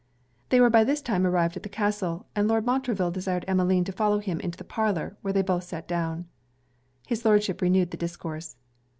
They were by this time arrived at the castle, and Lord Montreville desired Emmeline to follow him into the parlour, where they both sat down. His Lordship renewed the discourse.